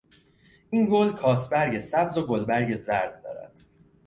این گل کاسبرگ سبز و گلبرگ زرد دارد.